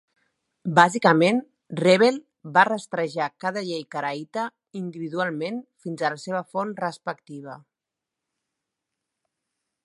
Bàsicament, Revel va rastrejar cada llei caraïta individualment fins a la seva font respectiva.